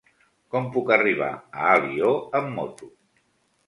Com puc arribar a Alió amb moto?